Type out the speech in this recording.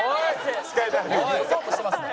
押そうとしてますね。